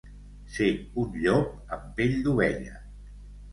Ser un llop amb pell d'ovella.